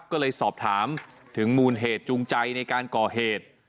ก็เลยสอบถามถึงมูลเหตุจูงใจในการก่อเหตุ